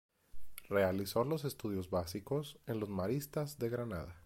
Realizó los estudios básicos en los Maristas de Granada.